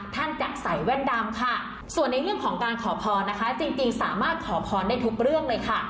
ท่านจะใส่แว่นดำค่ะส่วนในเรื่องของการขอพรนะคะจริงสามารถขอพรได้ทุกเรื่องเลยค่ะ